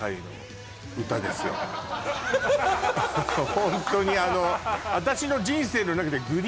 ホントにあの。